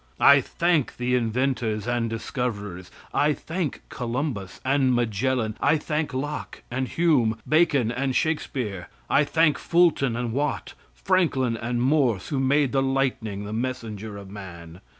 I thank the inventors and discoverers. I thank Columbus and Magellan. I thank Locke and Hume, Bacon and Shakespeare. I thank Fulton and Watt, Franklin and Morse, who made lightning the messenger of man.